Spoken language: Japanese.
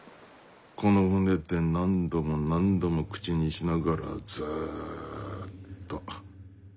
この船で何度も何度も口にしながらずっと。